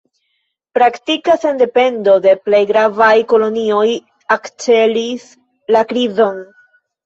Praktika sendependo de plej gravaj kolonioj akcelis la krizon.